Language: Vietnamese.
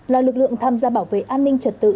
là lực lượng tham gia bảo vệ an ninh trật tự